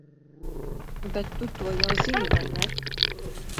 Bet tu to jau zini, vai ne?